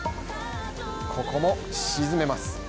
ここも沈めます。